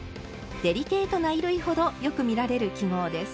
デリケートな衣類ほどよく見られる記号です。